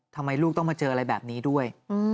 ลูกต้องมาเจออะไรแบบนี้ด้วย